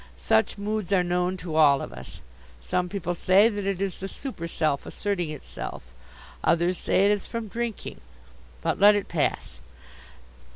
Such moods are known to all of us. Some people say that it is the super self asserting itself. Others say it is from drinking. But let it pass.